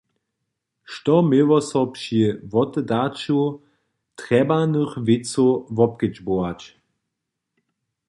Što měło so při wotedaću trjebanych wěcow wobkedźbować?